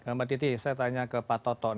mbak titi saya tanya ke pak toton